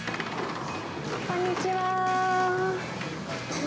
こんにちは。